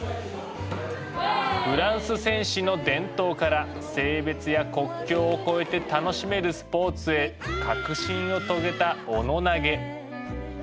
フランス戦士の伝統から性別や国境を超えて楽しめるスポーツへ革新を遂げたオノ投げ。